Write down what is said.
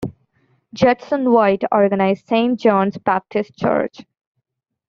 Jedson White organized Saint John's Baptist Church.